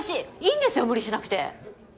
いいんですよ無理しなくて。